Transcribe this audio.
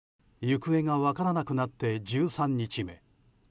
行方が分からなくなって１３日目。